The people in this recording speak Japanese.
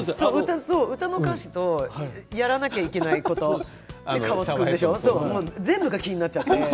歌の歌詞とやらなきゃいけないこと、川津君全部が気になっちゃって。